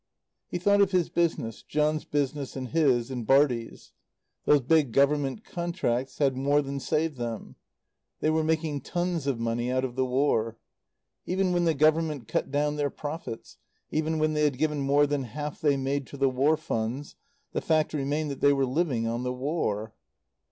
He thought of his business John's business and his, and Bartie's. Those big Government contracts had more than saved them. They were making tons of money out of the War. Even when the Government cut down their profits; even when they had given more than half they made to the War funds, the fact remained that they were living on the War.